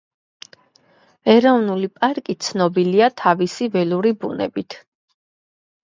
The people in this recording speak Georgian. ეროვნული პარკი ცნობილია თავისი ველური ბუნებით.